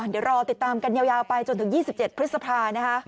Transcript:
เดี๋ยวรอติดตามกันยาวไปจนถึง๒๗พฤษภานะคะ